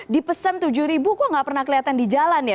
dipesan tujuh ribu kok nggak pernah kelihatan di jalan ya